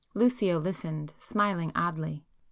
Lucio listened, smiling oddly.